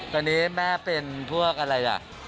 ตอนนี้แม่เป็นพวกอะไรล่ะ